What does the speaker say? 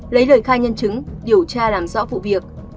lấy lời khai nhân chứng điều tra làm rõ vụ việc